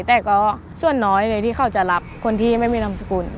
แต่ก็ส่วนน้อยเลยที่เขาจะรับคนที่ไม่มีนามสกุล